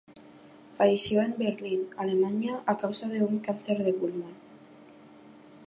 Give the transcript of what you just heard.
Falleció en Berlín, Alemania, a causa de un cáncer de pulmón.